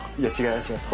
違います